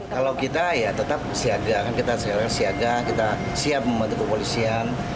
kalau kita ya tetap siaga kita siap membantu kepolisian